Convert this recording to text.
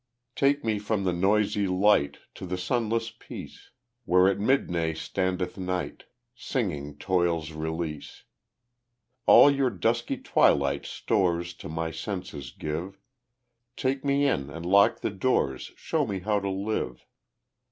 Take me from the noisy light To the sunless peace, Where at midday standeth Night, Signing Toil's release. All your dusky twilight stores To my senses give; Take me in and lock the doors, Show me how to live.